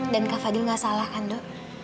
dan kak fadil gak salah kan do